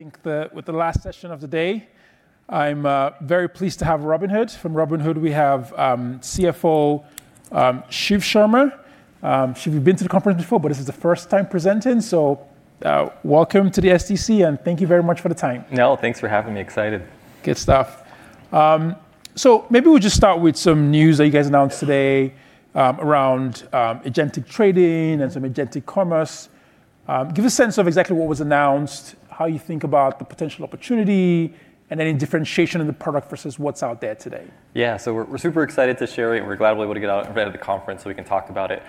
With the last session of the day, I'm very pleased to have Robinhood. From Robinhood, we have CFO, Shiv Verma. Shiv, you've been to the conference before, but this is the first time presenting, so welcome to the SDC, and thank you very much for the time. No, thanks for having me. Excited. Good stuff. Maybe we'll just start with some news that you guys announced today around agentic trading and some agentic commerce. Give a sense of exactly what was announced, how you think about the potential opportunity, and any differentiation in the product versus what's out there today. Yeah. We're super excited to share it and we're glad we're able to get out in front of the conference so we can talk about it.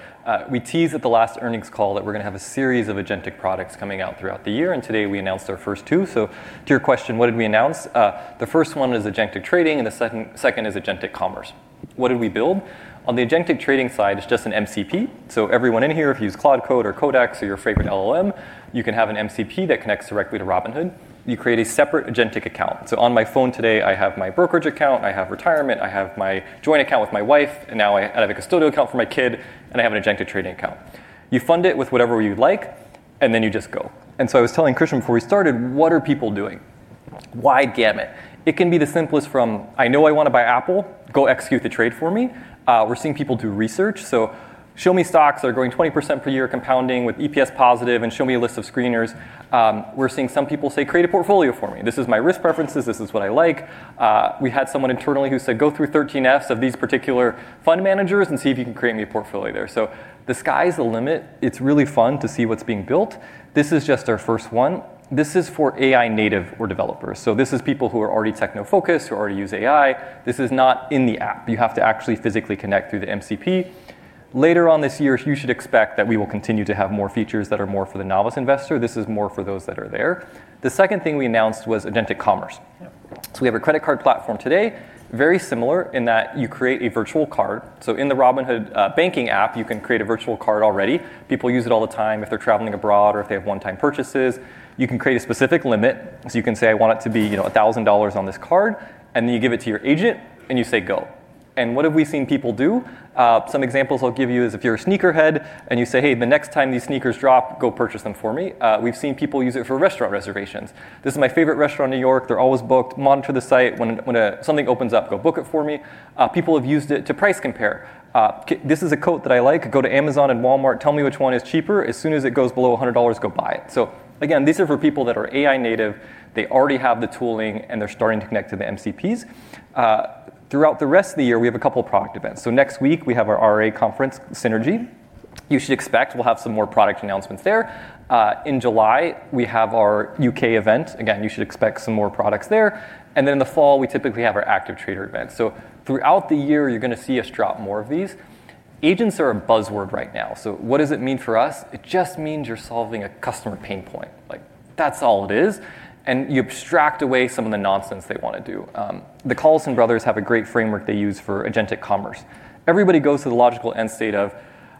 We teased at the last earnings call that we're going to have a series of agentic products coming out throughout the year, and today we announced our first two. To your question, what did we announce? The first one is agentic trading, and the second is agentic commerce. What did we build? On the agentic trading side, it's just an MCP. Everyone in here, if you use Claude Code or Codex or your favorite LLM, you can have an MCP that connects directly to Robinhood. You create a separate agentic account. On my phone today, I have my brokerage account, I have retirement, I have my joint account with my wife, and now I have a custodial account for my kid, and I have an agentic trading account. You fund it with whatever you'd like, and then you just go. I was telling Christian before we started, what are people doing? Wide gamut. It can be the simplest from, "I know I want to buy Apple. Go execute the trade for me." We're seeing people do research. "Show me stocks that are growing 20% per year, compounding with EPS positive, and show me a list of screeners." We're seeing some people say, "Create a portfolio for me. This is my risk preferences. This is what I like." We had someone internally who said, "Go through 13Fs of these particular fund managers and see if you can create me a portfolio there." The sky's the limit. It's really fun to see what's being built. This is just our first one. This is for AI native or developers. This is people who are already techno-focused, who already use AI. This is not in the app. You have to actually physically connect through the MCP. Later on this year, you should expect that we will continue to have more features that are more for the novice investor. This is more for those that are there. The second thing we announced was agentic commerce. Yep. We have a credit card platform today, very similar in that you create a virtual card. In the Robinhood banking app, you can create a virtual card already. People use it all the time if they're traveling abroad or if they have one-time purchases. You can create a specific limit. You can say, "I want it to be $1,000 on this card," and then you give it to your agent and you say, "Go." What have we seen people do? Some examples I'll give you is if you're a sneakerhead and you say, "Hey, the next time these sneakers drop, go purchase them for me." We've seen people use it for restaurant reservations. "This is my favorite restaurant in New York. They're always booked. Monitor the site. When something opens up, go book it for me." People have used it to price compare. This is a coat that I like. Go to Amazon and Walmart. Tell me which one is cheaper. As soon as it goes below $100, go buy it. Again, these are for people that are AI native. They already have the tooling, and they're starting to connect to the MCPs. Throughout the rest of the year, we have a couple product events. Next week, we have our RIA conference, Synergy. You should expect we'll have some more product announcements there. In July, we have our U.K. event. Again, you should expect some more products there. In the fall, we typically have our active trader event. Throughout the year, you're going to see us drop more of these. Agents are a buzzword right now. What does it mean for us? It just means you're solving a customer pain point. That's all it is. You abstract away some of the nonsense they want to do. The Collison brothers have a great framework they use for agentic commerce. Everybody goes to the logical end state of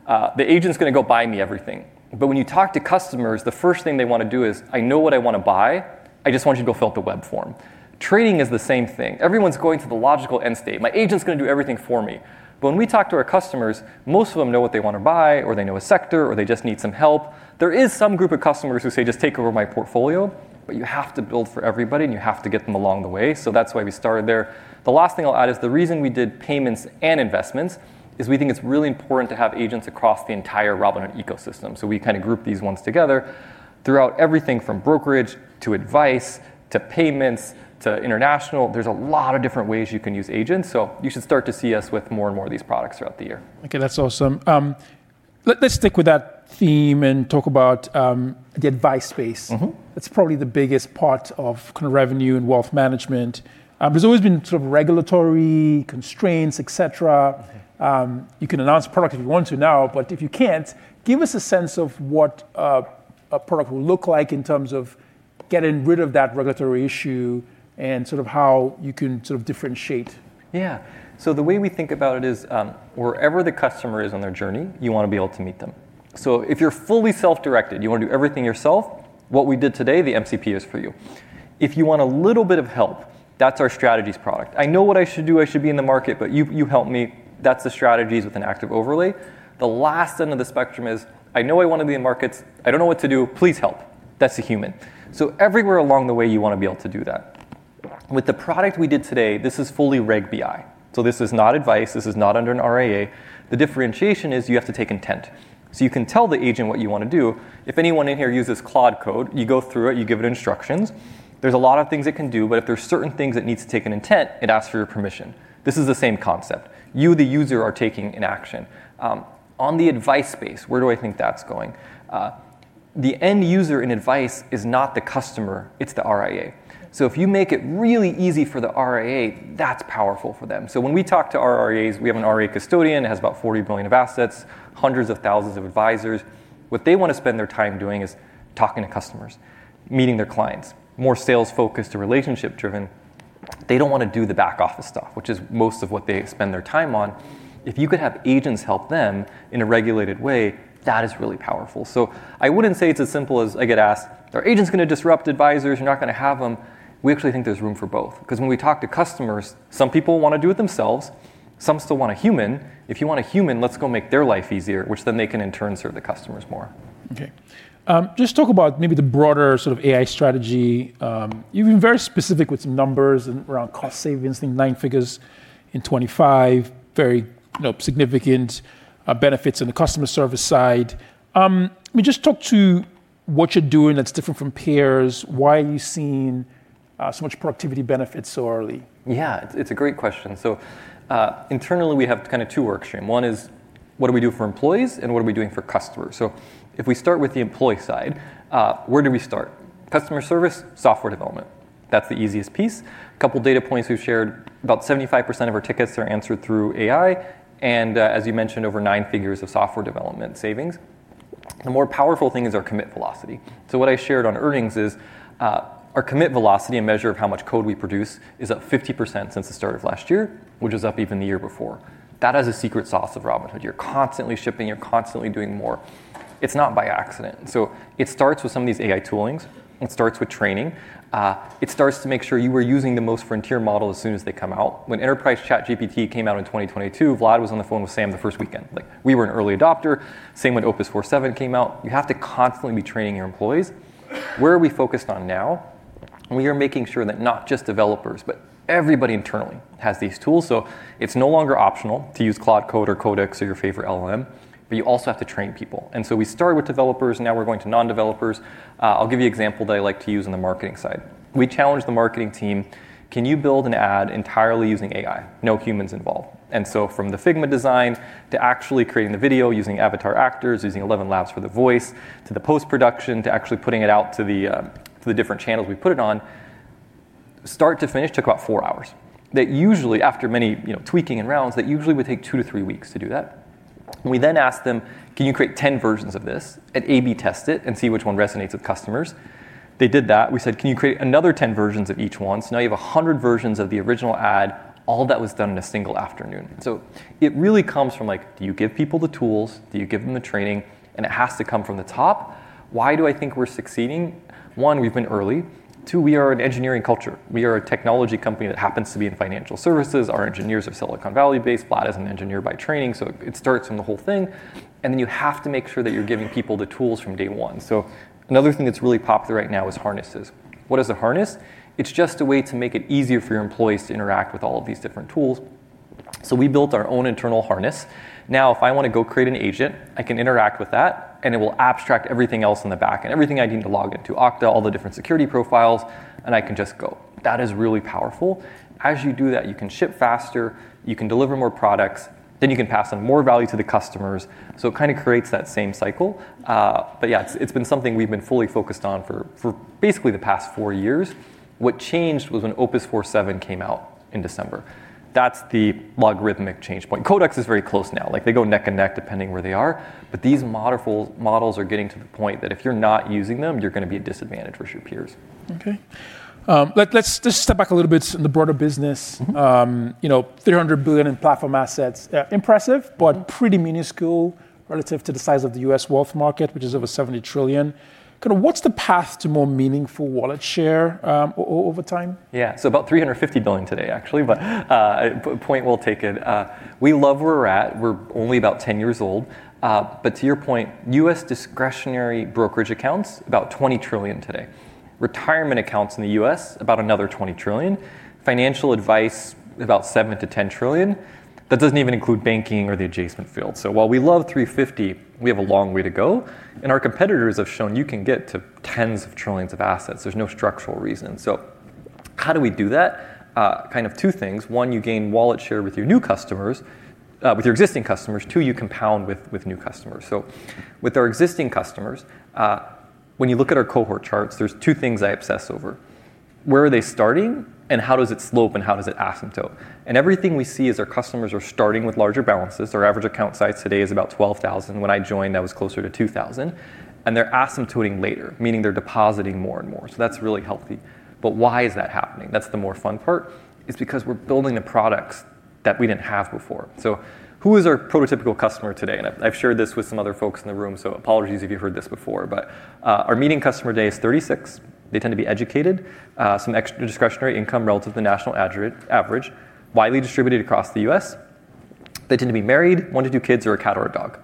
the agent's going to go buy me everything. When you talk to customers, the first thing they want to do is, "I know what I want to buy, I just want you to go fill out the web form." Trading is the same thing. Everyone's going to the logical end state. My agent's going to do everything for me. When we talk to our customers, most of them know what they want to buy, or they know a sector, or they just need some help. There is some group of customers who say, "Just take over my portfolio," but you have to build for everybody, and you have to get them along the way. That's why we started there. The last thing I'll add is the reason we did payments and investments is we think it's really important to have agents across the entire Robinhood ecosystem. We group these ones together throughout everything from brokerage, to advice, to payments, to international. There's a lot of different ways you can use agents, so you should start to see us with more and more of these products throughout the year. Okay, that's awesome. Let's stick with that theme and talk about the advice space. That's probably the biggest part of revenue and wealth management. There's always been regulatory constraints, et cetera. You can announce a product if you want to now, but if you can't, give us a sense of what a product will look like in terms of getting rid of that regulatory issue, and how you can differentiate. The way we think about it is, wherever the customer is on their journey, you want to be able to meet them. If you're fully self-directed, you want to do everything yourself, what we did today, the MCP is for you. If you want a little bit of help, that's our strategies product. I know what I should do, I should be in the market, you help me. That's the strategies with an active overlay. The last end of the spectrum is, I know I want to be in markets, I don't know what to do. Please help. That's a human. Everywhere along the way, you want to be able to do that. With the product we did today, this is fully Reg BI. This is not advice. This is not under an RIA. The differentiation is you have to take intent. You can tell the agent what you want to do. If anyone in here uses Claude Code, you go through it, you give it instructions. There's a lot of things it can do, if there's certain things that needs to take an intent, it asks for your permission. This is the same concept. You, the user, are taking an action. On the advice space, where do I think that's going? The end user in advice is not the customer, it's the RIA. If you make it really easy for the RIA, that's powerful for them. When we talk to our RIAs, we have an RIA custodian, it has about $40 billion of assets, hundreds of thousands of advisers. What they want to spend their time doing is talking to customers, meeting their clients. More sales-focused or relationship-driven. They don't want to do the back office stuff, which is most of what they spend their time on. If you could have agents help them in a regulated way, that is really powerful. I wouldn't say it's as simple as I get asked, "Are agents going to disrupt advisors? You're not going to have them." We actually think there's room for both, because when we talk to customers, some people want to do it themselves. Some still want a human. If you want a human, let's go make their life easier, which then they can in turn serve the customers more. Okay. Just talk about maybe the broader sort of AI strategy. You've been very specific with some numbers and around cost savings, I think nine figures in 2025, very significant benefits in the customer service side. Just talk to what you're doing that's different from peers. Why are you seeing so much productivity benefits so early? Yeah, it's a great question. Internally, we have kind of two work stream. One is, what do we do for employees, and what are we doing for customers? If we start with the employee side, where do we start? Customer service, software development. That's the easiest piece. A couple data points we've shared, about 75% of our tickets are answered through AI. As you mentioned, over nine figures of software development savings. The more powerful thing is our commit velocity. What I shared on earnings is our commit velocity, a measure of how much code we produce, is up 50% since the start of last year, which was up even the year before. That has a secret sauce of Robinhood. You're constantly shipping, you're constantly doing more. It's not by accident. It starts with some of these AI toolings, and it starts with training. It starts to make sure you are using the most frontier model as soon as they come out. When ChatGPT Enterprise came out in 2022, Vlad was on the phone with Sam the first weekend. We were an early adopter. Same when Opus 4.7 came out. You have to constantly be training your employees. Where are we focused on now? We are making sure that not just developers, but everybody internally has these tools. It's no longer optional to use Claude Code or Codex or your favorite LLM, but you also have to train people. We started with developers, now we're going to non-developers. I'll give you example that I like to use on the marketing side. We challenged the marketing team, can you build an ad entirely using AI, no humans involved? From the Figma designs to actually creating the video using avatar actors, using ElevenLabs for the voice, to the post-production, to actually putting it out to the different channels we put it on, start to finish took about four hours. That usually after many tweaking and rounds would take two to three weeks to do that. We asked them, can you create 10 versions of this and A/B test it and see which one resonates with customers? They did that. We said, can you create another 10 versions of each one? Now you have 100 versions of the original ad. All that was done in a single afternoon. It really comes from do you give people the tools? Do you give them the training? It has to come from the top. Why do I think we're succeeding? One, we've been early. Two, we are an engineering culture. We are a technology company that happens to be in financial services. Our engineers are Silicon Valley-based. Vlad is an engineer by training, it starts from the whole thing. You have to make sure that you're giving people the tools from day one. Another thing that's really popular right now is harnesses. What is a harness? It's just a way to make it easier for your employees to interact with all of these different tools. We built our own internal harness. Now, if I want to go create an agent, I can interact with that, and it will abstract everything else in the back and everything I need to log into Okta, all the different security profiles, and I can just go. That is really powerful. As you do that, you can ship faster, you can deliver more products, then you can pass on more value to the customers. It kind of creates that same cycle. Yeah, it's been something we've been fully focused on for basically the past four years. What changed was when Opus 4.7 came out in December. That's the logarithmic change point. Codex is very close now. They go neck and neck depending where they are. These models are getting to the point that if you're not using them, you're going to be at a disadvantage versus your peers. Okay. Let's just step back a little bit on the broader business, $300 billion in platform assets. Impressive, but pretty minuscule relative to the size of the U.S. wealth market, which is over $70 trillion. What's the path to more meaningful wallet share over time? Yeah. About $350 billion today, actually. Point well taken. We love where we're at. We're only about 10 years old. To your point, U.S. discretionary brokerage accounts, about $20 trillion today. Retirement accounts in the U.S., about another $20 trillion. Financial advice, about $7 trillion-$10 trillion. That doesn't even include banking or the adjacent field. While we love $350, we have a long way to go, and our competitors have shown you can get to tens of trillions of assets. There's no structural reason. How do we do that? Kind of two things. One, you gain wallet share with your existing customers. Two, you compound with new customers. With our existing customers, when you look at our cohort charts, there's two things I obsess over. Where are they starting? How does it slope and how does it asymptote? Everything we see is our customers are starting with larger balances. Our average account size today is about $12,000. When I joined, that was closer to $2,000. They're asymptoting later, meaning they're depositing more and more. That's really healthy. Why is that happening? That's the more fun part. It's because we're building the products that we didn't have before. Who is our prototypical customer today? I've shared this with some other folks in the room, so apologies if you've heard this before. Our median customer today is 36. They tend to be educated, some extra discretionary income relative to national average, widely distributed across the U.S. They tend to be married, one to two kids, or a cat or a dog.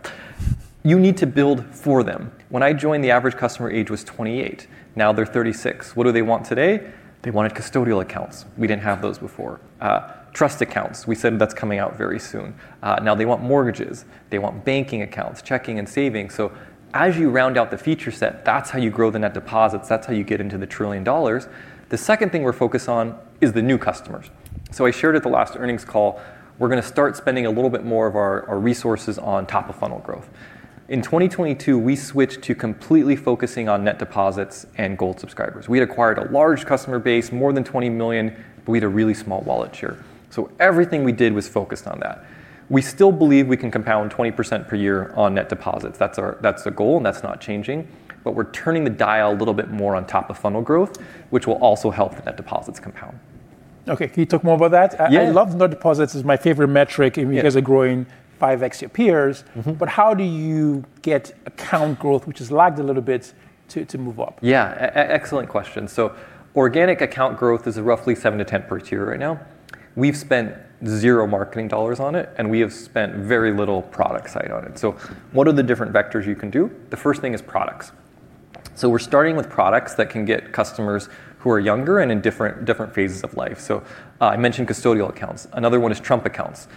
You need to build for them. When I joined, the average customer age was 28. Now they're 36. What do they want today? They wanted custodial accounts. We didn't have those before. Trust accounts, we said that's coming out very soon. They want mortgages. They want banking accounts, checking and savings. As you round out the feature set, that's how you grow the net deposits. That's how you get into the $1 trillion. The second thing we're focused on is the new customers. I shared at the last earnings call, we're going to start spending a little bit more of our resources on top-of-funnel growth. In 2022, we switched to completely focusing on net deposits and Gold subscribers. We had acquired a large customer base, more than 20 million, but we had a really small wallet share. Everything we did was focused on that. We still believe we can compound 20% per year on net deposits. That's the goal, and that's not changing. We're turning the dial a little bit more on top-of-funnel growth, which will also help the net deposits compound. Okay, can you talk more about that? Yeah. I love net deposits. It's my favorite metric. Yeah. You guys are growing 5x your peers. How do you get account growth, which has lagged a little bit, to move up? Yeah. Excellent question. Organic account growth is roughly seven to 10% right now. We've spent $0 marketing dollars on it, and we have spent very little product side on it. What are the different vectors you can do? The first thing is products. We're starting with products that can get customers who are younger and in different phases of life. I mentioned custodial accounts. Another one is Trust accounts.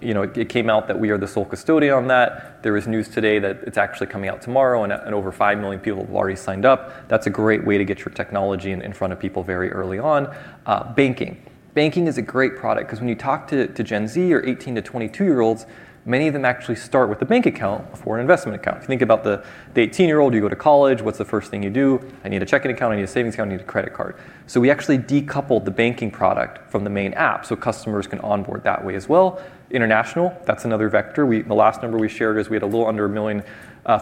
It came out that we are the sole custodian on that. There is news today that it's actually coming out tomorrow, and over five million people have already signed up. That's a great way to get your technology in front of people very early on. Banking. Banking is a great product because when you talk to Gen Z or 18 to 22-year-olds, many of them actually start with a bank account before an investment account. If you think about the 18-year-old, you go to college, what's the first thing you do? I need a checking account, I need a savings account, I need a credit card. We actually decoupled the banking product from the main app so customers can onboard that way as well. International, that's another vector. The last number we shared is we had a little under 1 million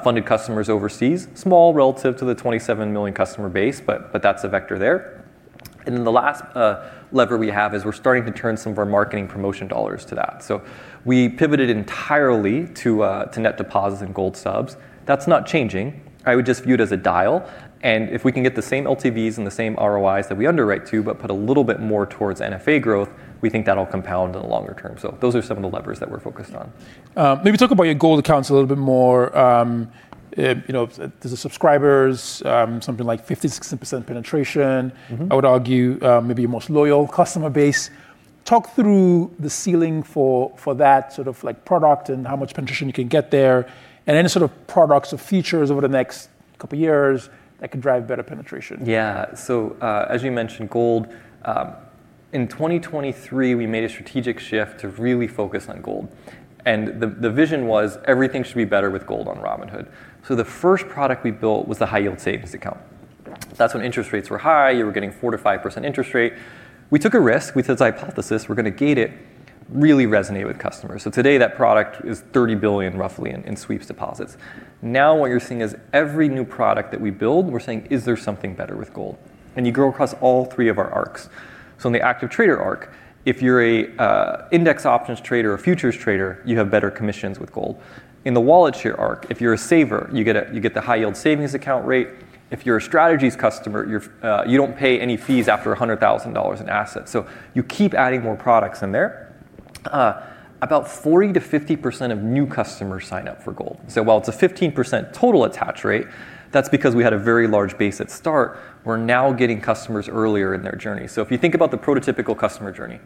funded customers overseas. Small relative to the 27 million customer base, but that's a vector there. The last lever we have is we're starting to turn some of our marketing promotion dollars to that. We pivoted entirely to net deposits and Gold subs. That's not changing. I would just view it as a dial. If we can get the same LTVs and the same ROIs that we underwrite to, but put a little bit more towards NFA growth, we think that'll compound in the longer term. Those are some of the levers that we're focused on. Maybe talk about your Gold accounts a little bit more. There's the subscribers, something like 50%, 60% penetration. I would argue maybe your most loyal customer base. Talk through the ceiling for that sort of product and how much penetration you can get there, and any sort of products or features over the next couple of years that could drive better penetration. Yeah. As you mentioned, Gold. In 2023, we made a strategic shift to really focus on Gold. The vision was everything should be better with goaled on Robinhood. The first product we built was the high yield savings account. That's when interest rates were high, you were getting 4% to 5% interest rate. We took a risk. We said, "Hypothesis, we're going to gate it," really resonated with customers. Today that product is $30 billion roughly in sweeps deposits. Now what you're seeing is every new product that we build, we're saying, "Is there something better with Gold?" You go across all three of our arcs. In the active trader arc, if you're a index options trader or futures trader, you have better commissions with Gold. In the wallet share arc, if you're a saver, you get the high yield savings account rate. If you're a strategies customer, you don't pay any fees after $100,000 in assets. You keep adding more products in there. About 40%-50% of new customers sign up for Gold. While it's a 15% total attach rate, that's because we had a very large base at start. We're now getting customers earlier in their journey. If you think about the prototypical customer journey,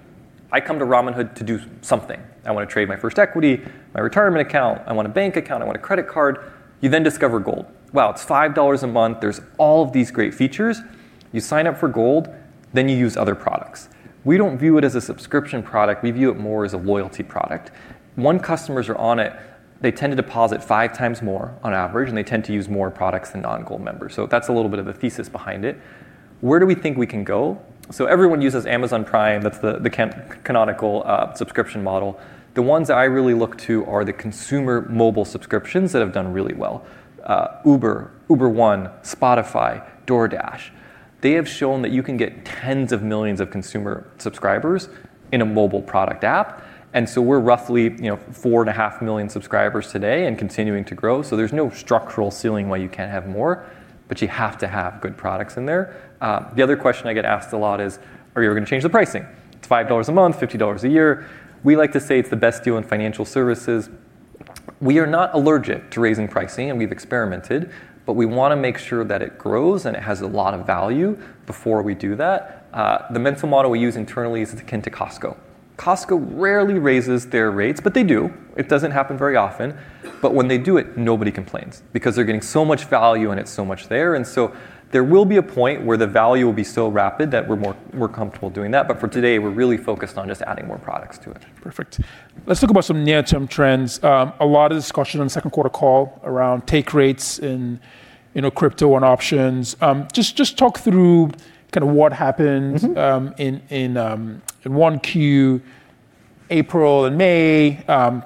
I come to Robinhood to do something. I want to trade my first equity, my retirement account, I want a bank account, I want a credit card. You discover Gold. Wow, it's $5 a month, there's all of these great features. You sign up for Gold, you use other products. We don't view it as a subscription product, we view it more as a loyalty product. When customers are on it, they tend to deposit five times more on average, and they tend to use more products than non-Gold members. That's a little bit of the thesis behind it. Where do we think we can go? Everyone uses Amazon Prime, that's the canonical subscription model. The ones that I really look to are the consumer mobile subscriptions that have done really well. Uber One, Spotify, DoorDash. They have shown that you can get tens of millions of consumer subscribers in a mobile product app, and so we're roughly four and a half million subscribers today and continuing to grow. There's no structural ceiling why you can't have more, but you have to have good products in there. The other question I get asked a lot is, "Are you ever going to change the pricing?" It's $5 a month, $50 a year. We like to say it's the best deal in financial services. We are not allergic to raising pricing, and we've experimented, but we want to make sure that it grows, and it has a lot of value before we do that. The mental model we use internally is akin to Costco. Costco rarely raises their rates, but they do. It doesn't happen very often. When they do it, nobody complains because they're getting so much value and it's so much there. There will be a point where the value will be so rapid that we're more comfortable doing that. For today, we're really focused on just adding more products to it. Perfect. Let's talk about some near-term trends. A lot of discussion on the second quarter call around take rates in crypto and options. Just talk through what happened in 1Q, April and May,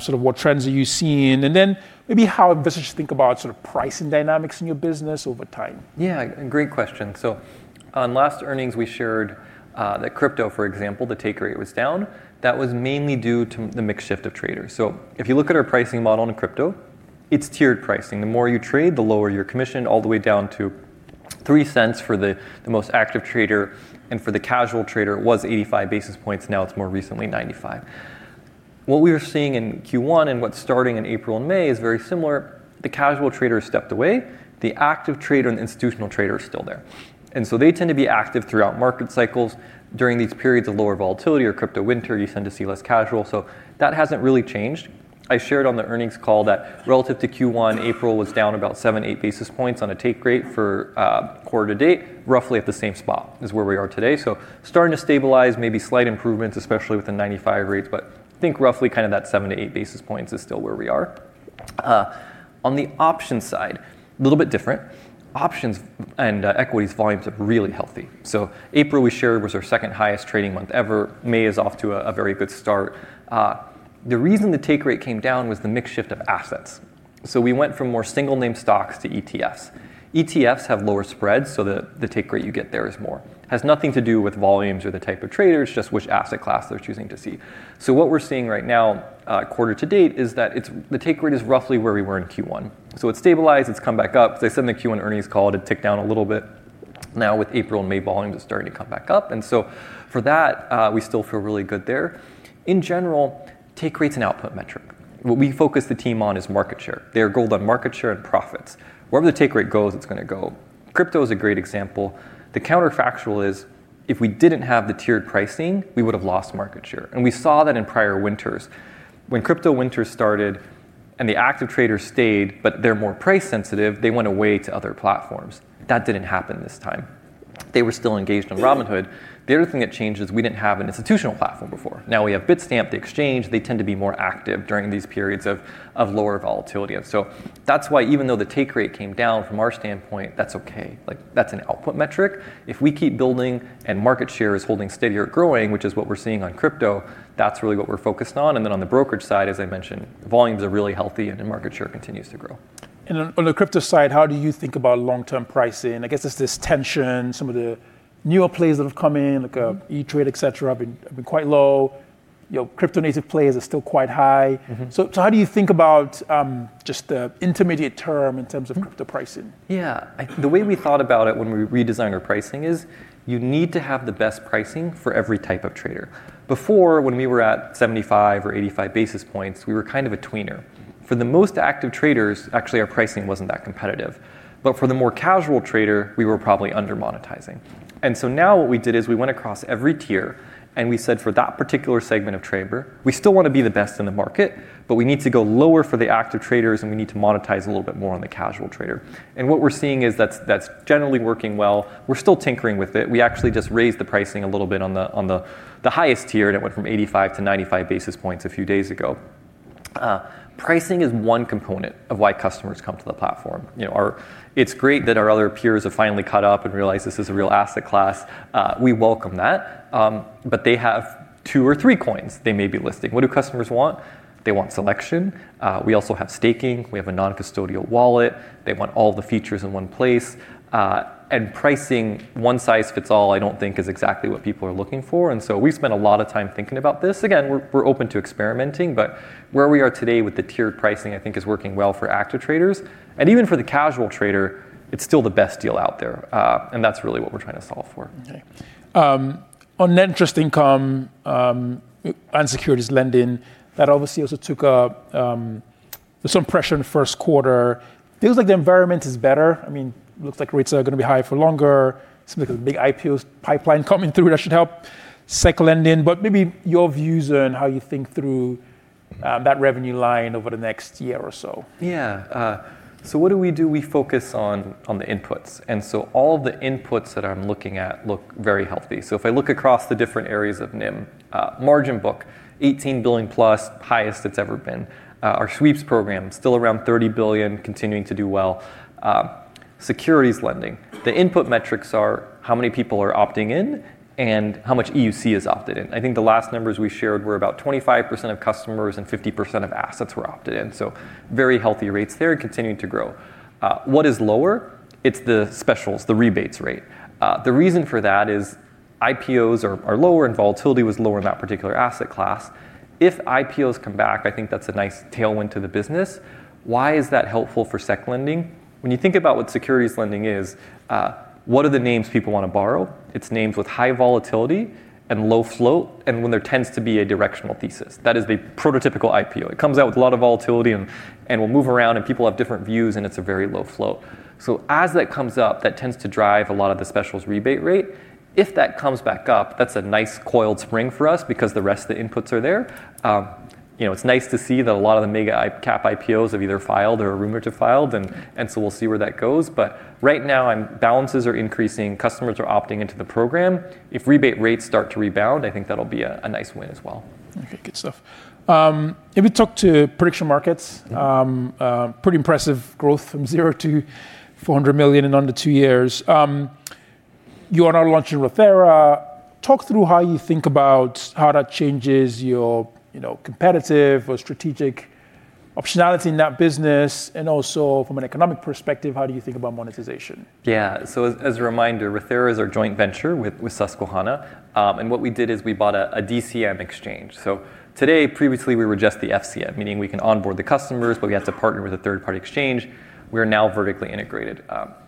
what trends are you seeing, and then maybe how investors think about pricing dynamics in your business over time? Yeah. Great question. On last earnings, we shared that crypto, for example, the take rate was down. That was mainly due to the mix shift of traders. If you look at our pricing model in crypto, it's tiered pricing. The more you trade, the lower your commission, all the way down to $0.03 for the most active trader. For the casual trader, it was 85 basis points, now it's more recently 95 basis points. What we are seeing in Q1 and what's starting in April and May is very similar. The casual trader has stepped away, the active trader and the institutional trader are still there. They tend to be active throughout market cycles. During these periods of lower volatility or crypto winter, you tend to see less casual. That hasn't really changed. I shared on the earnings call that relative to Q1, April was down about seven, eight basis points on a take rate for quarter to date, roughly at the same spot as where we are today. Starting to stabilize, maybe slight improvements, especially with the 95 rates, but I think roughly that seven to eight basis points is still where we are. On the options side, a little bit different. Options and equities volumes are really healthy. April we shared was our second highest trading month ever. May is off to a very good start. The reason the take rate came down was the mix shift of assets. We went from more single name stocks to ETFs. ETFs have lower spreads, the take rate you get there is more. Has nothing to do with volumes or the type of traders, just which asset class they're choosing to see. What we're seeing right now quarter to date is that the take rate is roughly where we were in Q1. It's stabilized, it's come back up. As I said in the Q1 earnings call, it had ticked down a little bit. Now with April and May volumes, it's starting to come back up. For that, we still feel really good there. In general, take rate's an output metric. What we focus the team on is market share. They are gold on market share and profits. Wherever the take rate goes, it's going to go. Crypto is a great example. The counterfactual is if we didn't have the tiered pricing, we would've lost market share, and we saw that in prior winters. When crypto winter started and the active traders stayed, but they're more price sensitive, they went away to other platforms. That didn't happen this time. They were still engaged in Robinhood. The other thing that changed is we didn't have an institutional platform before. Now we have Bitstamp, the exchange. They tend to be more active during these periods of lower volatility. That's why even though the take rate came down, from our standpoint, that's okay. That's an output metric. If we keep building and market share is holding steady or growing, which is what we're seeing on crypto, that's really what we're focused on. On the brokerage side, as I mentioned, volumes are really healthy and the market share continues to grow. On the crypto side, how do you think about long-term pricing? I guess there's this tension. Some of the newer plays that have come in, like E*TRADE, et cetera, have been quite low. Crypto native players are still quite high. How do you think about just the intermediate term in terms of crypto pricing? Yeah. The way we thought about it when we redesigned our pricing is you need to have the best pricing for every type of trader. Before, when we were at 75 or 85 basis points, we were kind of a tweener. For the most active traders, actually, our pricing wasn't that competitive. For the more casual trader, we were probably under-monetizing. Now what we did is we went across every tier, and we said, for that particular segment of trader, we still want to be the best in the market, but we need to go lower for the active traders, and we need to monetize a little bit more on the casual trader. What we're seeing is that's generally working well. We're still tinkering with it. We actually just raised the pricing a little bit on the highest tier, and it went from 85 to 95 basis points a few days ago. Pricing is one component of why customers come to the platform. It's great that our other peers have finally caught up and realized this is a real asset class. We welcome that. They have two or three coins they may be listing. What do customers want? They want selection. We also have staking. We have a non-custodial wallet. They want all the features in one place. Pricing one size fits all, I don't think is exactly what people are looking for. We've spent a lot of time thinking about this. Again, we're open to experimenting, but where we are today with the tiered pricing, I think is working well for active traders. Even for the casual trader, it's still the best deal out there. That's really what we're trying to solve for. Okay. On net interest income and securities lending, that obviously also took up some pressure in the first quarter. Feels like the environment is better. Looks like rates are going to be high for longer. Seems like there's a big IPO pipeline coming through that should help sec lending. Maybe your views on how you think through that revenue line over the next year or so. What do we do? We focus on the inputs. All the inputs that I'm looking at look very healthy. If I look across the different areas of NIM, margin book, $18 billion plus, highest it's ever been. Our sweeps program, still around $30 billion, continuing to do well. Securities lending, the input metrics are how many people are opting in and how much AUC is opted in. I think the last numbers we shared were about 25% of customers and 50% of assets were opted in. Very healthy rates there, continuing to grow. What is lower? It's the specials, the rebates rate. The reason for that is IPOs are lower, and volatility was lower in that particular asset class. If IPOs come back, I think that's a nice tailwind to the business. Why is that helpful for sec lending? When you think about what securities lending is, what are the names people want to borrow? It's names with high volatility and low flow, and when there tends to be a directional thesis. That is the prototypical IPO. It comes out with a lot of volatility and will move around, and people have different views, and it's a very low flow. As that comes up, that tends to drive a lot of the specials rebate rate. If that comes back up, that's a nice coiled spring for us because the rest of the inputs are there. It's nice to see that a lot of the mega-cap IPOs have either filed or are rumored to have filed, and so we'll see where that goes. Right now, balances are increasing, customers are opting into the program. If rebate rates start to rebound, I think that'll be a nice win as well. Okay, good stuff. If we talk to prediction markets, pretty impressive growth from zero to $400 million in under two years. You are now launching Rothera. Talk through how you think about how that changes your competitive or strategic optionality in that business, and also from an economic perspective, how do you think about monetization? As a reminder, Rothera is our joint venture with Susquehanna. What we did is we bought a DCM exchange. Today, previously, we were just the FCM, meaning we can onboard the customers, but we have to partner with a third-party exchange. We are now vertically integrated.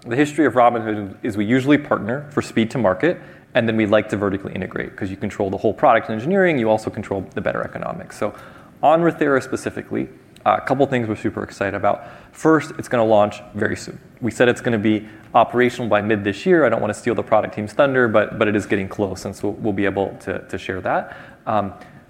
The history of Robinhood is we usually partner for speed to market, and then we like to vertically integrate because you control the whole product and engineering, you also control the better economics. On Rothera specifically, a couple of things we're super excited about. First, it's going to launch very soon. We said it's going to be operational by mid this year. I don't want to steal the product team's thunder, but it is getting close, and so we'll be able to share that.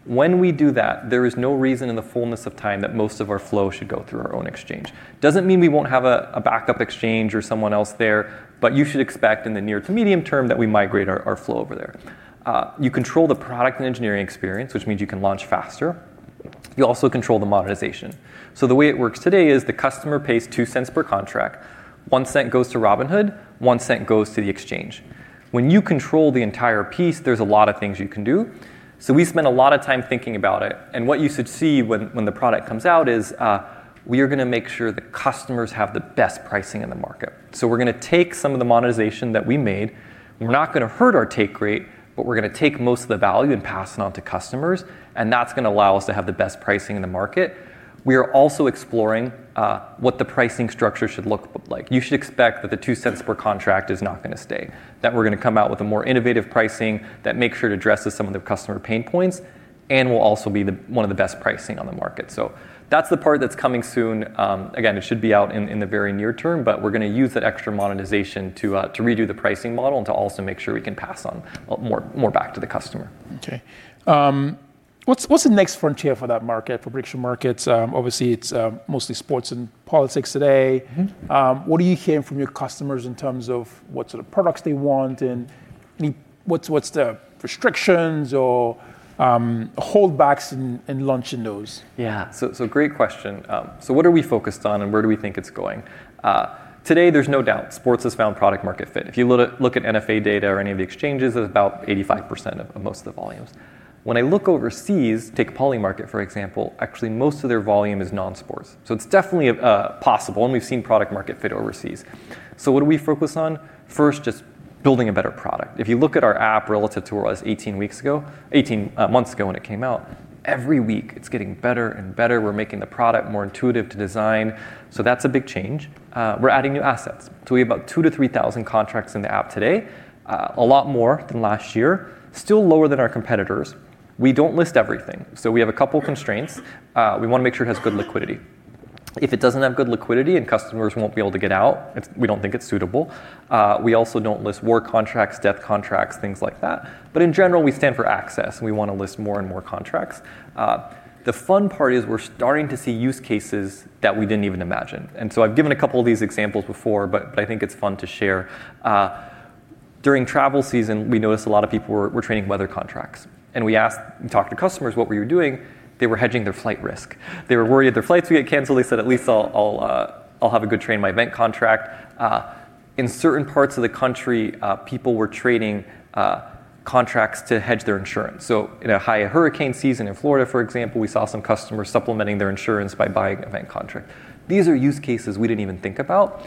When we do that, there is no reason in the fullness of time that most of our flow should go through our own exchange. Doesn't mean we won't have a backup exchange or someone else there, but you should expect in the near to medium term that we migrate our flow over there. You control the product and engineering experience, which means you can launch faster. You also control the monetization. The way it works today is the customer pays $0.02 per contract. $0.01 goes to Robinhood, $0.01 goes to the exchange. When you control the entire piece, there's a lot of things you can do. We spent a lot of time thinking about it, and what you should see when the product comes out is. We are going to make sure that customers have the best pricing in the market. We're going to take some of the monetization that we made, we're not going to hurt our take rate, but we're going to take most of the value and pass it on to customers, and that's going to allow us to have the best pricing in the market. We are also exploring what the pricing structure should look like. You should expect that the $0.02 per contract is not going to stay, that we're going to come out with a more innovative pricing that makes sure to address some of the customer pain points and will also be one of the best pricing on the market. That's the part that's coming soon. Again, it should be out in the very near term, but we're going to use that extra monetization to redo the pricing model and to also make sure we can pass on a lot more back to the customer. Okay. What's the next frontier for that market, for prediction markets? Obviously, it's mostly sports and politics today. What are you hearing from your customers in terms of what sort of products they want and what's the restrictions or holdbacks in launching those? Yeah. Great question. What are we focused on and where do we think it's going? Today, there's no doubt sports has found product market fit. If you look at NFA data or any of the exchanges, it's about 85% of most of the volumes. When I look overseas, take Polymarket for example, actually most of their volume is non-sports. It's definitely possible, and we've seen product market fit overseas. What do we focus on? First, just building a better product. If you look at our app relative to where it was 18 months ago when it came out, every week it's getting better and better. We're making the product more intuitive to design. That's a big change. We're adding new assets. We have about 2,000 to 3,000 contracts in the app today. A lot more than last year. Still lower than our competitors. We don't list everything. We have a couple constraints. We want to make sure it has good liquidity. If it doesn't have good liquidity and customers won't be able to get out, we don't think it's suitable. We also don't list war contracts, death contracts, things like that. In general, we stand for access and we want to list more and more contracts. The fun part is we're starting to see use cases that we didn't even imagine. I've given a couple of these examples before, but I think it's fun to share. During travel season, we noticed a lot of people were trading weather contracts, and we asked and talked to customers, "What were you doing?" They were hedging their flight risk. They were worried if their flights would get canceled. They said, "At least I'll have a good trade in my event contract." In certain parts of the country, people were trading contracts to hedge their insurance. In a high hurricane season in Florida, for example, we saw some customers supplementing their insurance by buying event contract. These are use cases we didn't even think about.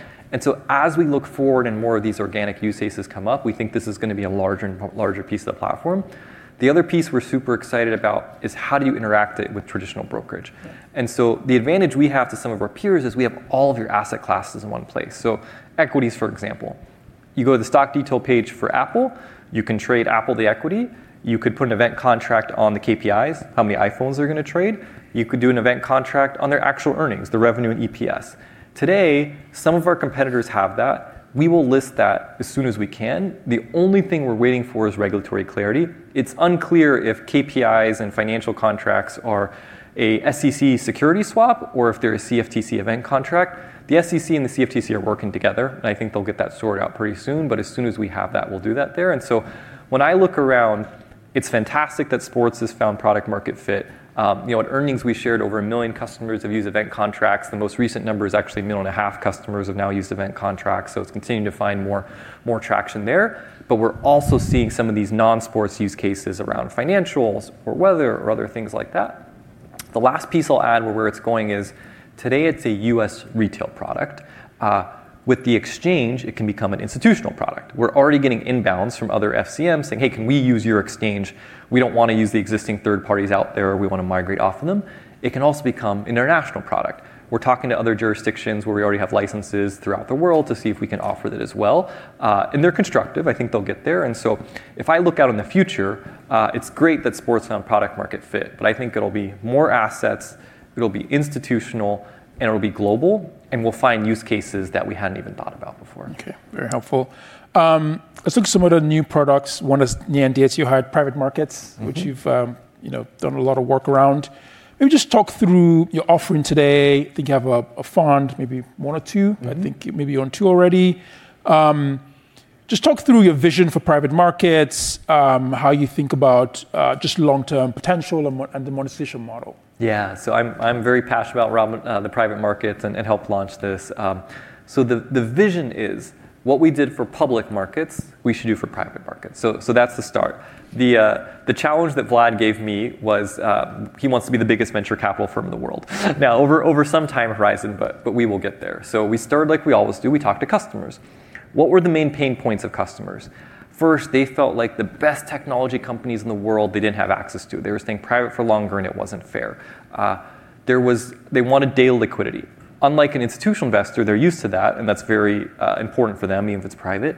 As we look forward and more of these organic use cases come up, we think this is going to be a larger and larger piece of the platform. The other piece we're super excited about is how do you interact it with traditional brokerage. Yeah. The advantage we have to some of our peers is we have all of your asset classes in one place. Equities, for example. You go to the stock detail page for Apple, you can trade Apple the equity, you could put an event contract on the KPIs, how many iPhone they're going to trade. You could do an event contract on their actual earnings, the revenue, and EPS. Today, some of our competitors have that. We will list that as soon as we can. The only thing we're waiting for is regulatory clarity. It's unclear if KPIs and financial contracts are a SEC security swap or if they're a CFTC event contract. The SEC and the CFTC are working together, and I think they'll get that sorted out pretty soon. As soon as we have that, we'll do that there. When I look around, it's fantastic that sports has found product market fit. At earnings, we shared over 1 million customers have used event contracts. The most recent number is actually 1.5 million customers have now used event contracts, so it's continuing to find more traction there. We're also seeing some of these non-sports use cases around financials or weather or other things like that. The last piece I'll add where it's going is today it's a U.S. retail product. With the exchange, it can become an institutional product. We're already getting inbounds from other FCMs saying, "Hey, can we use your exchange? We don't want to use the existing third parties out there. We want to migrate off of them." It can also become an international product. We're talking to other jurisdictions where we already have licenses throughout the world to see if we can offer that as well. They're constructive. I think they'll get there. If I look out in the future, it's great that sports found product market fit, but I think it'll be more assets, it'll be institutional, and it'll be global, and we'll find use cases that we hadn't even thought about before. Okay. Very helpful. Let`'s look at some of the new products. One is Nian, Diaz, you hired private markets, which you've done a lot of work around. Maybe just talk through your offering today. I think you have a fund, maybe one or two maybe you're on two already. Talk through your vision for private markets, how you think about just long-term potential and the monetization model. Yeah. I'm very passionate about the private markets and helped launch this. The vision is what we did for public markets, we should do for private markets. That's the start. The challenge that Vlad gave me was, he wants to be the biggest venture capital firm in the world. Over some time horizon, but we will get there. We started like we always do, we talked to customers. What were the main pain points of customers? First, they felt like the best technology companies in the world, they didn't have access to. They were staying private for longer, and it wasn't fair. They wanted daily liquidity. Unlike an institutional investor, they're used to that, and that's very important for them, even if it's private.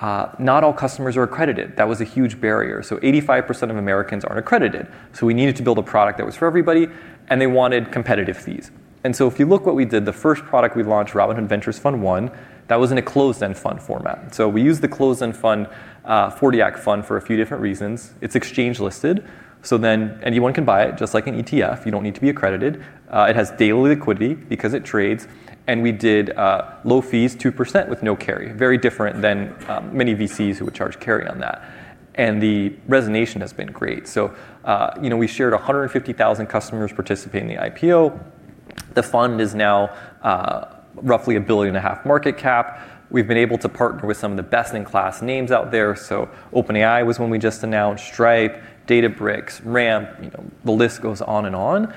Not all customers are accredited. That was a huge barrier. 85% of Americans aren't accredited. We needed to build a product that was for everybody, and they wanted competitive fees. If you look what we did, the first product we launched, Robinhood Ventures Fund I, that was in a closed-end fund format. We used the closed-end fund, 40 Act fund for a few different reasons. It's exchange listed. Anyone can buy it, just like an ETF. You don't need to be accredited. It has daily liquidity because it trades, and we did low fees, 2% with no carry. Very different than many VCs who would charge carry on that. The resonation has been great. We shared 150,000 customers participate in the IPO. The fund is now roughly a billion and a half market cap. We've been able to partner with some of the best-in-class names out there. OpenAI was one we just announced, Stripe, Databricks, Ramp, the list goes on and on.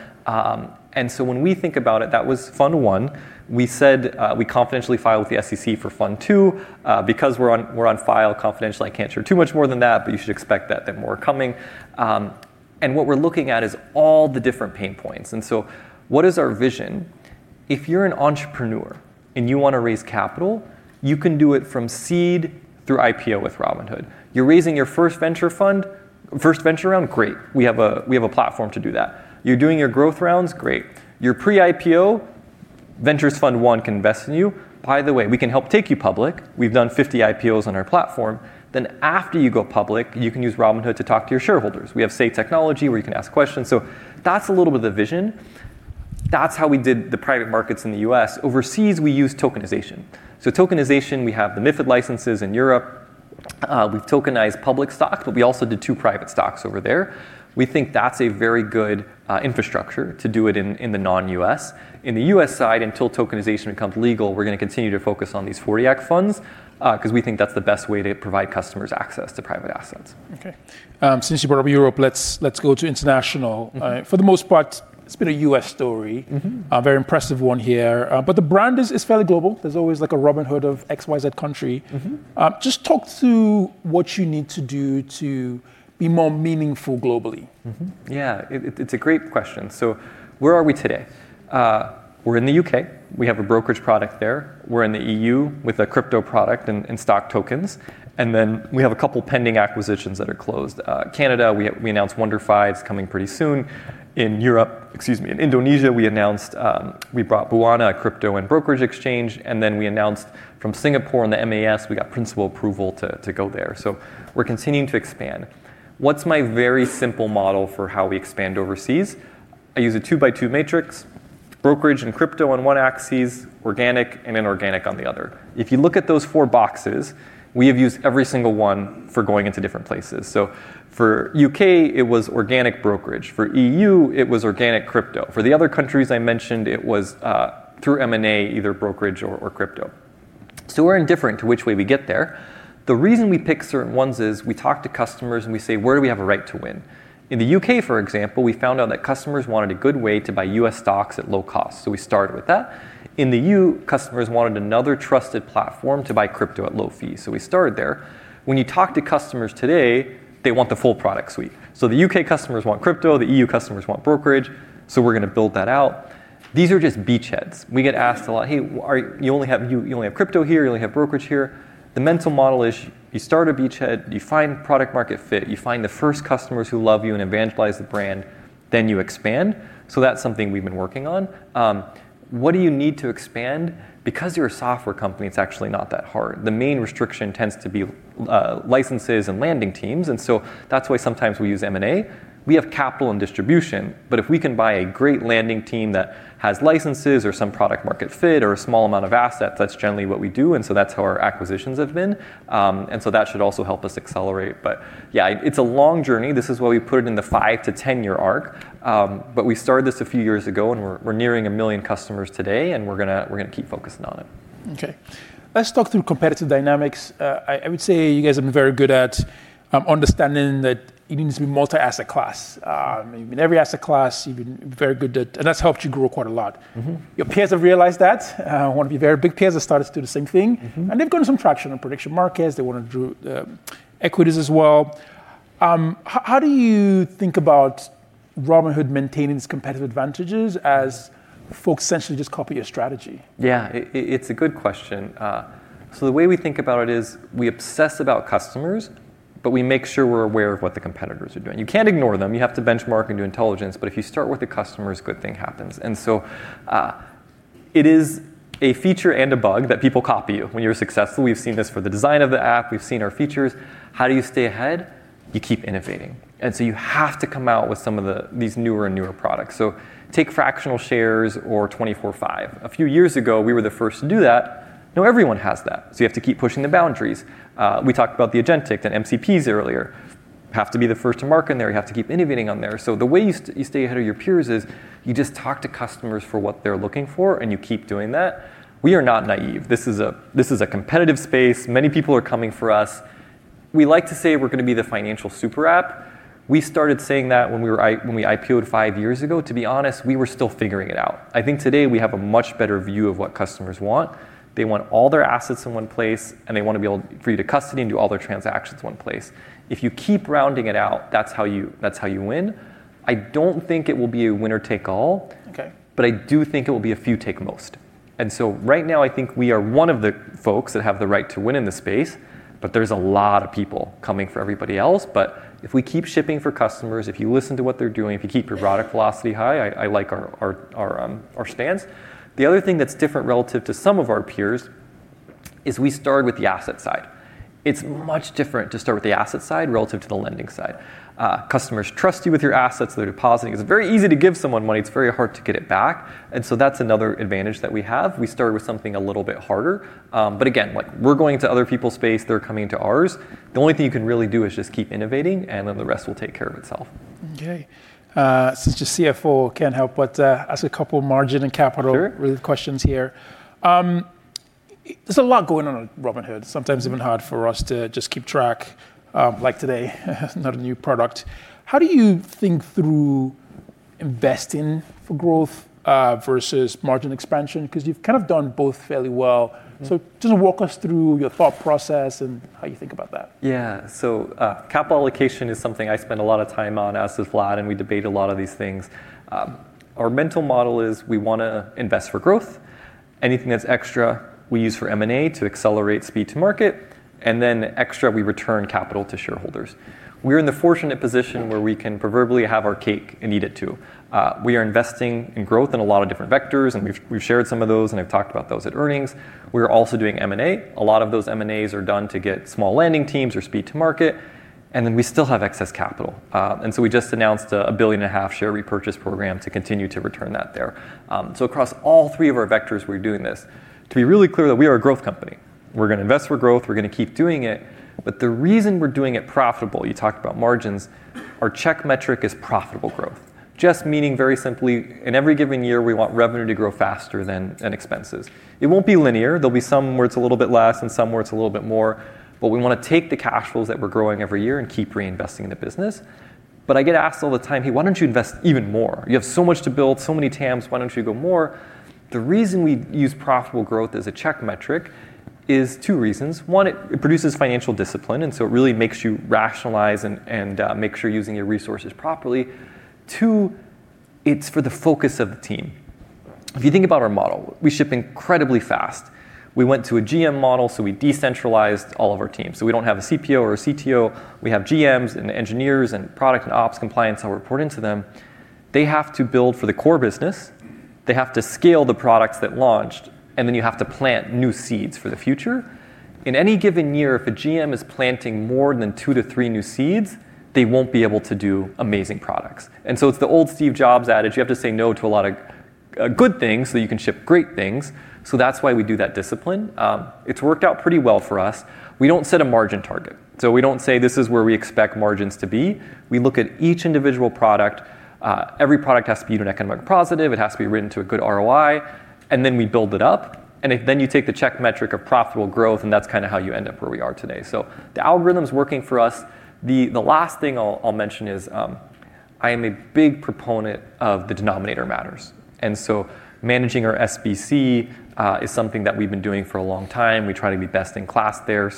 When we think about it, that was Fund I. We said we confidentially filed with the SEC for Fund II, because we're on file confidentially, I can't share too much more than that, but you should expect that more coming. What we're looking at is all the different pain points. What is our vision? If you're an entrepreneur and you want to raise capital, you can do it from seed through IPO with Robinhood. You're raising your first venture round? Great. We have a platform to do that. You're doing your growth rounds? Great. You're pre-IPO? Ventures Fund I can invest in you. By the way, we can help take you public. We've done 50 IPOs on our platform. After you go public, you can use Robinhood to talk to your shareholders. We have technology where you can ask questions. That's a little bit of the vision. That's how we did the private markets in the U.S. Overseas, we use tokenization. Tokenization, we have the MiFID licenses in Europe. We've tokenized public stock, we also did two private stocks over there. We think that's a very good infrastructure to do it in the non-U.S. In the U.S. side, until tokenization becomes legal, we're going to continue to focus on these '40 Act funds, because we think that's the best way to provide customers access to private assets. Okay. Since you brought up Europe, let's go to international. For the most part, it's been a U.S. story. A very impressive one here. The brand is fairly global. There's always like a Robinhood of XYZ country. Just talk to what you need to do to be more meaningful globally. Yeah. It's a great question. Where are we today? We're in the U.K. We have a brokerage product there. We're in the E.U. with a crypto product and stock tokens. We have a couple pending acquisitions that are closed. Canada, we announced WonderFi's coming pretty soon. In Indonesia, we brought Buana a crypto and brokerage exchange. We announced from Singapore and the MAS, we got principal approval to go there. We're continuing to expand. What's my very simple model for how we expand overseas? I use a two by two matrix, brokerage and crypto on one axes, organic and inorganic on the other. If you look at those four boxes, we have used every single one for going into different places. For U.K., it was organic brokerage. For E.U., it was organic crypto. For the other countries I mentioned, it was through M&A, either brokerage or crypto. We're indifferent to which way we get there. The reason we pick certain ones is we talk to customers, and we say, "Where do we have a right to win?" In the U.K., for example, we found out that customers wanted a good way to buy U.S. stocks at low cost. We started with that. In the EU, customers wanted another trusted platform to buy crypto at low fees. We started there. When you talk to customers today, they want the full product suite. The U.K. customers want crypto, the EU customers want brokerage, so we're going to build that out. These are just beachheads. We get asked a lot, "Hey, you only have crypto here, you only have brokerage here." The mental model is you start a beachhead, you find product market fit, you find the first customers who love you and evangelize the brand, then you expand. That's something we've been working on. What do you need to expand? Because you're a software company, it's actually not that hard. The main restriction tends to be licenses and landing teams, and so that's why sometimes we use M&A. We have capital and distribution, but if we can buy a great landing team that has licenses or some product market fit or a small amount of assets, that's generally what we do. That's how our acquisitions have been. That should also help us accelerate. Yeah, it's a long journey. This is why we put it in the five to 10-year arc. We started this a few years ago, and we're nearing 1 million customers today, and we're going to keep focusing on it. Let's talk through competitive dynamics. I would say you guys have been very good at understanding that it needs to be multi-asset class. In every asset class, that's helped you grow quite a lot. Your peers have realized that. Peers want to be very big. Peers have started to do the same thing. They've gotten some traction on prediction markets. They want to do equities as well. How do you think about Robinhood maintaining its competitive advantages as folks essentially just copy your strategy? Yeah. It's a good question. The way we think about it is we obsess about customers, but we make sure we're aware of what the competitors are doing. You can't ignore them. You have to benchmark and do intelligence. If you start with the customers, good thing happens. It is a feature and a bug that people copy you when you're successful. We've seen this for the design of the app. We've seen our features. How do you stay ahead? You keep innovating. You have to come out with some of these newer and newer products. Take fractional shares or 24/5. A few years ago, we were the first to do that. Now everyone has that. You have to keep pushing the boundaries. We talked about the agentic and MCPs earlier. Have to be the first to market there. You have to keep innovating on there. The way you stay ahead of your peers is you just talk to customers for what they're looking for, and you keep doing that. We are not naive. This is a competitive space. Many people are coming for us. We like to say we're going to be the financial super app. We started saying that when we IPO'd five years ago. To be honest, we were still figuring it out. I think today we have a much better view of what customers want. They want all their assets in one place, and they want to be able for you to custody and do all their transactions in one place. If you keep rounding it out, that's how you win. I don't think it will be a winner take all. Okay. I do think it will be a few take most. Right now, I think we are one of the folks that have the right to win in the space, but there's a lot of people coming for everybody else. If we keep shipping for customers, if you listen to what they're doing, if you keep your product velocity high, I like our stance. The other thing that's different relative to some of our peers is we started with the asset side. It's much different to start with the asset side relative to the lending side. Customers trust you with your assets, they're depositing. It's very easy to give someone money. It's very hard to get it back. That's another advantage that we have. We started with something a little bit harder. Again, we're going into other people's space, they're coming into ours. The only thing you can really do is just keep innovating, and then the rest will take care of itself. Okay. Since you're CFO, can't help but ask a couple margin and capital related questions here. There's a lot going on at Robinhood, sometimes even hard for us to just keep track, like today, another new product. How do you think through investing for growth versus margin expansion? Because you've kind of done both fairly well, just walk us through your thought process and how you think about that. Yeah. Capital allocation is something I spend a lot of time on, as does Vlad, and we debate a lot of these things. Our mental model is we want to invest for growth. Anything that's extra we use for M&A to accelerate speed to market, extra, we return capital to shareholders. We're in the fortunate position where we can proverbially have our cake and eat it, too. We are investing in growth in a lot of different vectors, we've shared some of those, I've talked about those at earnings. We are also doing M&A. A lot of those M&As are done to get small lending teams or speed to market. We still have excess capital. We just announced a billion and a half share repurchase program to continue to return that there. Across all three of our vectors we're doing this. To be really clear that we are a growth company. We're going to invest for growth, we're going to keep doing it, but the reason we're doing it profitable, you talked about margins, our check metric is profitable growth. Just meaning very simply, in every given year, we want revenue to grow faster than expenses. It won't be linear. There'll be some where it's a little bit less and some where it's a little bit more. We want to take the cash flows that we're growing every year and keep reinvesting in the business. I get asked all the time, "Hey, why don't you invest even more? You have so much to build, so many TAMs. Why don't you go more?" The reason we use profitable growth as a check metric is two reasons. One, it produces financial discipline, and so it really makes you rationalize and make sure you're using your resources properly. Two, it's for the focus of the team. If you think about our model, we ship incredibly fast. We went to a GM model, so we decentralized all of our teams. We don't have a CPO or a CTO. We have GMs and engineers and product and ops compliance all report into them. They have to build for the core business. They have to scale the products that launched, and then you have to plant new seeds for the future. In any given year, if a GM is planting more than two to three new seeds, they won't be able to do amazing products. It's the old Steve Jobs adage, you have to say no to a lot of good things so that you can ship great things. That's why we do that discipline. It's worked out pretty well for us. We don't set a margin target. We don't say this is where we expect margins to be. We look at each individual product. Every product has to be to an economic positive, it has to be written to a good ROI, and then we build it up. You take the check metric of profitable growth, and that's kind of how you end up where we are today. The algorithm's working for us. The last thing I'll mention is, I am a big proponent of the denominator matters. Managing our SBC is something that we've been doing for a long time. We try to be best in class there.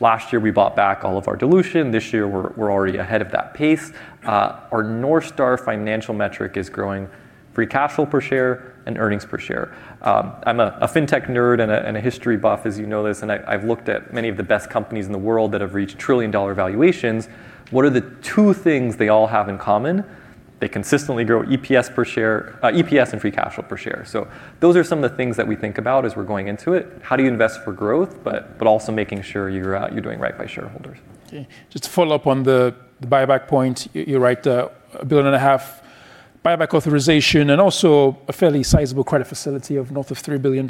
Last year we bought back all of our dilution. This year we're already ahead of that pace. Our North Star financial metric is growing free cash flow per share and earnings per share. I'm a fintech nerd and a history buff, as you know this, I've looked at many of the best companies in the world that have reached trillion dollar valuations. What are the two things they all have in common? They consistently grow EPS and free cash flow per share. Those are some of the things that we think about as we're going into it. How do you invest for growth, but also making sure you're doing right by shareholders. Okay. Just to follow up on the buyback point, you're right, a billion and a half buyback authorization and also a fairly sizable credit facility of north of $3 billion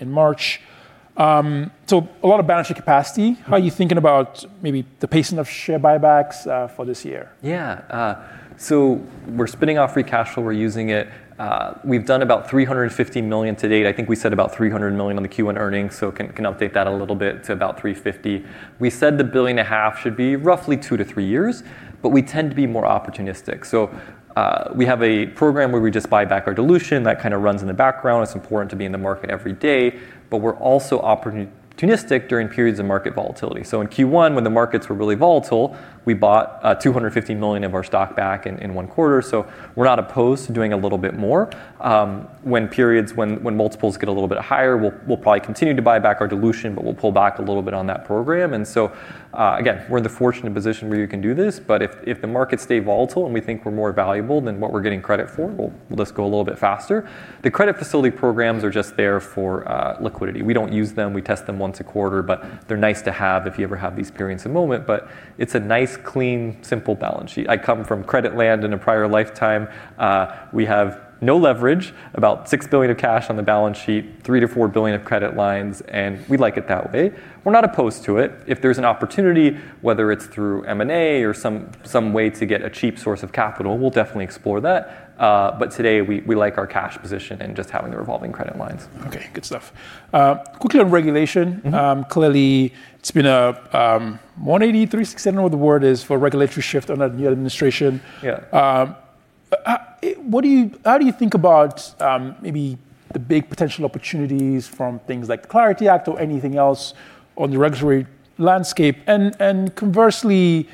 in March. A lot of balance sheet capacity. How are you thinking about maybe the pacing of share buybacks for this year? Yeah. We're spinning off free cash flow. We're using it. We've done about $350 million to date. I think we said about $300 million on the Q1 earnings, so can update that a little bit to about $350. We said the $1.5 billion should be roughly two to three years, but we tend to be more opportunistic. We have a program where we just buy back our dilution. That kind of runs in the background. It's important to be in the market every day. We're also opportunistic during periods of market volatility. In Q1 when the markets were really volatile, we bought $250 million of our stock back in one quarter. We're not opposed to doing a little bit more. When multiples get a little bit higher, we'll probably continue to buy back our dilution, but we'll pull back a little bit on that program. Again, we're in the fortunate position where you can do this, but if the markets stay volatile and we think we're more valuable than what we're getting credit for, we'll just go a little bit faster. The credit facility programs are just there for liquidity. We don't use them. We test them once a quarter, but they're nice to have if you ever have these periods of moment, but it's a nice, clean, simple balance sheet. I come from credit land in a prior lifetime. We have no leverage, about $6 billion of cash on the balance sheet, $3 billion-$4 billion of credit lines, and we like it that way. We're not opposed to it. If there's an opportunity, whether it's through M&A or some way to get a cheap source of capital, we'll definitely explore that. Today we like our cash position and just having the revolving credit lines. Okay, good stuff. Quickly on regulation. Clearly it's been a 180, 360, I don't know what the word is, for regulatory shift under the new administration. Yeah. How do you think about maybe the big potential opportunities from things like the Clarity Act or anything else on the regulatory landscape? Conversely,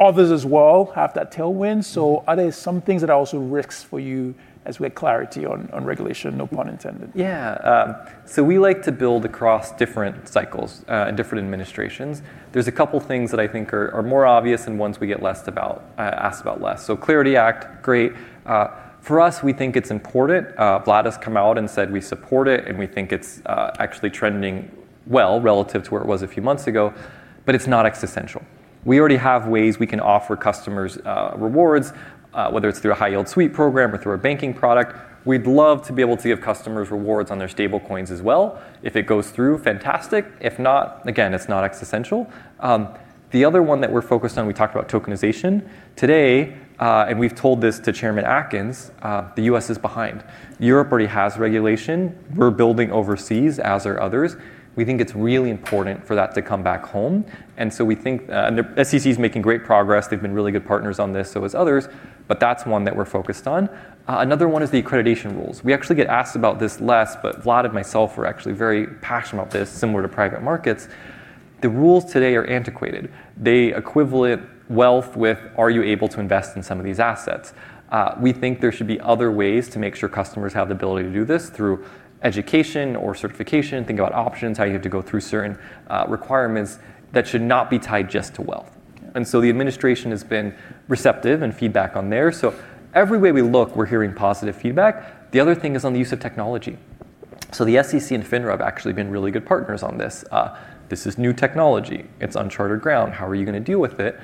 others as well have that tailwind. Are there some things that are also risks for you as we get clarity on regulation, no pun intended? We like to build across different cycles, and different administrations. There's a couple things that I think are more obvious and ones we get asked about less. Clarity Act, great. For us, we think it's important. Vlad has come out and said we support it, and we think it's actually trending well relative to where it was a few months ago, but it's not existential. We already have ways we can offer customers rewards, whether it's through a high yield sweep program or through a banking product. We'd love to be able to give customers rewards on their stable coins as well. If it goes through, fantastic. If not, again, it's not existential. The other one that we're focused on, we talked about tokenization. Today, we've told this to Chairman Atkins. The U.S. is behind. Europe already has regulation. We're building overseas, as are others. We think it's really important for that to come back home. The SEC is making great progress. They've been really good partners on this, so have others, but that's one that we're focused on. Another one is the accreditation rules. We actually get asked about this less, Vlad and myself are actually very passionate about this, similar to private markets. The rules today are antiquated. They equivalent wealth with, are you able to invest in some of these assets? We think there should be other ways to make sure customers have the ability to do this through education or certification, think about options, how you have to go through certain requirements that should not be tied just to wealth. The administration has been receptive and feedback on there. Every way we look, we're hearing positive feedback. The other thing is on the use of technology. The SEC and FINRA have actually been really good partners on this. This is new technology. It's uncharted ground. How are you going to deal with it?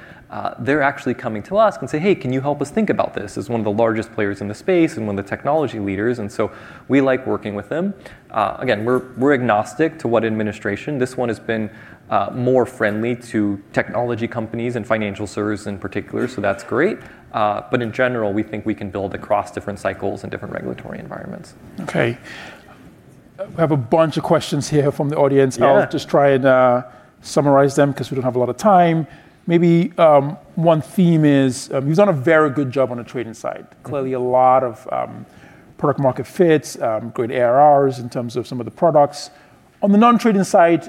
They're actually coming to us and say, "Hey, can you help us think about this?" As one of the largest players in the space and one of the technology leaders, and so we like working with them. Again, we're agnostic to what administration. This one has been more friendly to technology companies and financial services in particular, so that's great. In general, we think we can build across different cycles and different regulatory environments. Okay. I have a bunch of questions here from the audience. Yeah. I'll just try and summarize them because we don't have a lot of time. Maybe one theme is, you've done a very good job on the trading side. Clearly a lot of product market fits, good ARRs in terms of some of the products. On the non-trading side,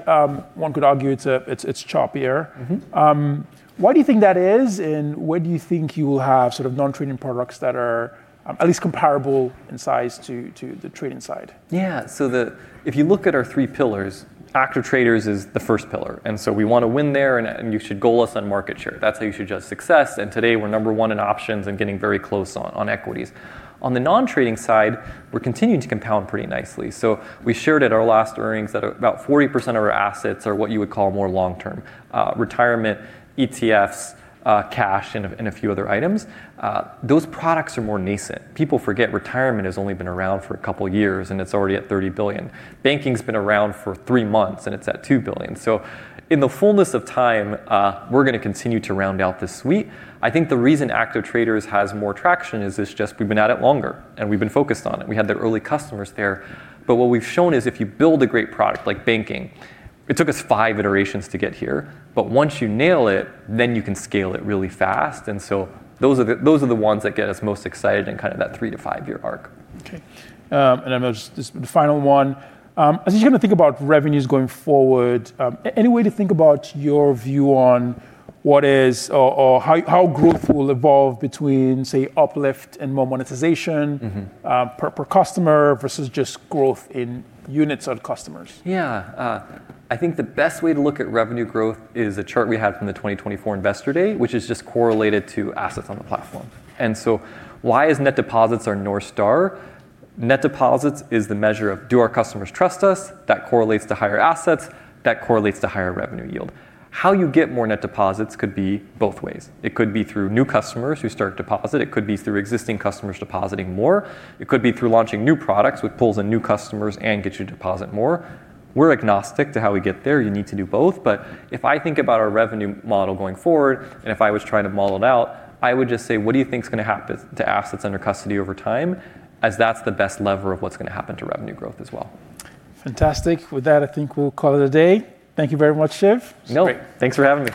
one could argue it's choppier. Why do you think that is, and when do you think you will have non-trading products that are at least comparable in size to the trading side? Yeah. If you look at our three pillars, active traders is the first pillar, we want to win there and you should goal us on market share. That's how you should judge success, today we're number one in options and getting very close on equities. On the non-trading side, we're continuing to compound pretty nicely. We shared at our last earnings that about 40% of our assets are what you would call more long-term, Retirement, ETFs, cash, and a few other items. Those products are more nascent. People forget Retirement has only been around for a couple of years, and it's already at $30 billion. Banking's been around for three months and it's at $2 billion. In the fullness of time, we're going to continue to round out this suite. The reason active traders has more traction is it's just we've been at it longer, and we've been focused on it. We had the early customers there. What we've shown is if you build a great product, like banking, it took us five iterations to get here, but once you nail it, then you can scale it really fast. Those are the ones that get us most excited in that three to five-year arc. Okay. There's the final one. As you think about revenues going forward, any way to think about your view on how growth will evolve between, say, uplift and more monetization per customer versus just growth in units or customers? Yeah. I think the best way to look at revenue growth is a chart we have from the 2024 investor day, which is just correlated to assets on the platform. Why is net deposits our North Star? Net deposits is the measure of do our customers trust us? That correlates to higher assets, that correlates to higher revenue yield. How you get more net deposits could be both ways. It could be through new customers who start deposit, it could be through existing customers depositing more, it could be through launching new products, which pulls in new customers and gets you to deposit more. We're agnostic to how we get there. You need to do both. If I think about our revenue model going forward, and if I was trying to model it out, I would just say, what do you think is going to happen to Assets Under Custody over time? As that's the best lever of what's going to happen to revenue growth as well. Fantastic. With that, I think we'll call it a day. Thank you very much, Shiv. No. It was great. Thanks for having me.